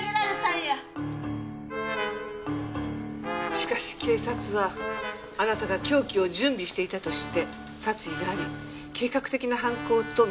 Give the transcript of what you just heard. しかし警察はあなたが凶器を準備していたとして殺意があり計画的な犯行と見なしています。